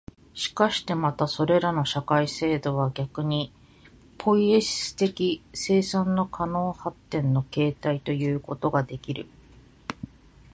しかしてまたそれらの社会制度は逆にポイエシス的生産の可能発展の形態ということができる、